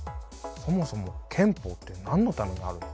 そもそも憲法ってなんのためにあるのよ？